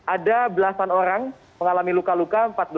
ada belasan orang mengalami luka luka